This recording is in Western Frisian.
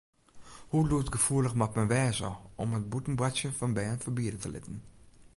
Hoe lûdgefoelich moat men wêze om it bûten boartsjen fan bern ferbiede te litten?